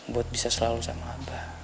buat bisa selalu sama abang